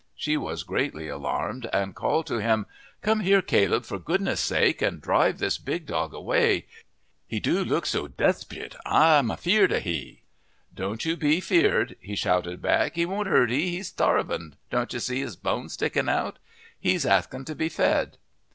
She was greatly alarmed, and called to him, "Come here, Caleb, for goodness' sake, and drive this big dog away! He do look so desprit, I'm afeared of he." "Don't you be feared," he shouted back. "He won't hurt 'ee; he's starving don't you see his bones sticking out? He's asking to be fed."